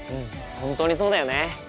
本当にそうだよね。